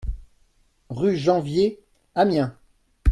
Rue Janvier, Amiens